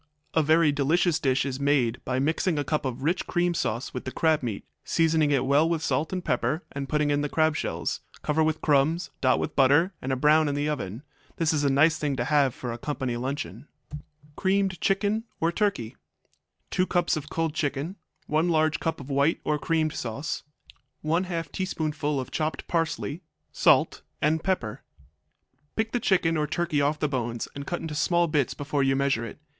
A very delicious dish is made by mixing a cup of rich cream sauce with the crab meat, seasoning it well with salt and pepper and putting in the crab shells; cover with crumbs, dot with butter, and brown in the oven. This is a nice thing to have for a company luncheon. Creamed Chicken or Turkey 2 cups of cold chicken. 1 large cup of white or creamed sauce. 1/2 teaspoonful of chopped parsley. Salt and pepper. Pick the chicken or turkey off the bones and cut into small bits before you measure it.